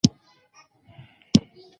ډېر کله بې فکره عمل کوي.